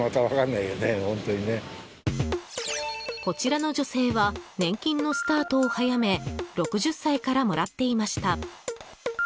こちらの女性は年金のスタートを早め６０歳からもらっていました。